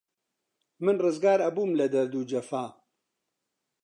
من ڕزگار ئەبووم لە دەرد و جەفا